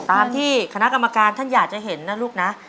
ตามที่คณะกรรมการท่านอยากจะเห็นนะลูกนะ